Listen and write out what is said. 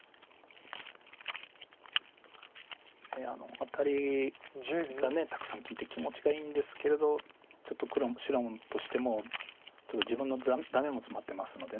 アタリがたくさん利いて気持ちがいいんですけれどちょっと白としてもちょっと自分のダメもツマってますので。